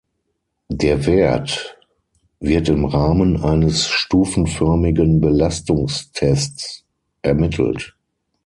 Der Wert wird im Rahmen eines stufenförmigen Belastungstests ermittelt.